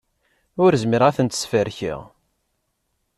Ur zmireɣ ad tent-sferkeɣ.